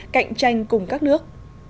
cạnh tranh cùng các nước